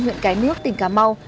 huyện cái nước tỉnh cà mau